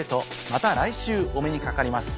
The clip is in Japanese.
また来週お目にかかります。